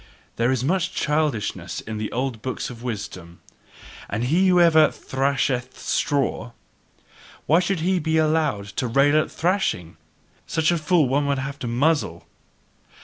There is much childishness in the old books of wisdom. And he who ever "thrasheth straw," why should he be allowed to rail at thrashing! Such a fool one would have to muzzle!